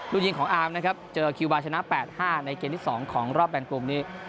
ลูกยิงของอาร์มนะครับเจอคิววาชนะ๘๕ในเกมที่๒ของรอบแบ่งกลุ่มนี้